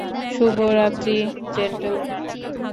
শুভ রাত্রি, জেন্টলমেন।